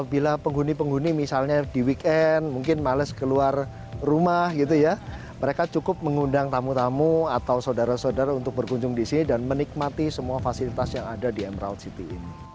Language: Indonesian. bila penghuni penghuni misalnya di weekend mungkin males keluar rumah gitu ya mereka cukup mengundang tamu tamu atau saudara saudara untuk berkunjung di sini dan menikmati semua fasilitas yang ada di emerald city ini